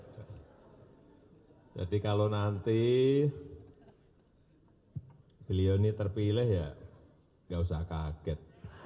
jadi kalau nanti beliau ini terpilih ya gak usah kaget